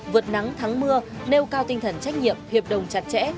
vượt nắng thắng mưa nêu cao tinh thần trách nhiệm hiệp đồng chặt chẽ